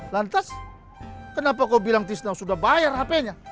lantas kenapa kau bilang tisto sudah bayar hp nya